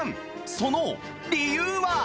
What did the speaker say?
その理由は？